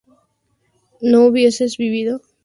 ¿no hubieseis vivido?